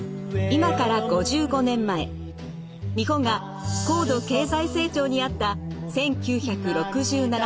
今から５５年前日本が高度経済成長にあった１９６７年。